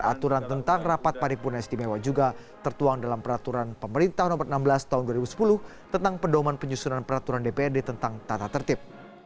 aturan tentang rapat paripurna istimewa juga tertuang dalam peraturan pemerintah nomor enam belas tahun dua ribu sepuluh tentang pedoman penyusunan peraturan dprd tentang tata tertib